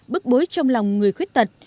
bức bối trong lòng người khuyết tật